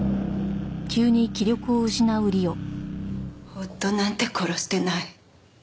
夫なんて殺してない。